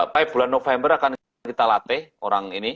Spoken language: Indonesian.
baik bulan november akan kita latih orang ini